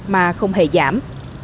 mà không hề giảm